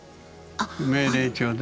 命令調で？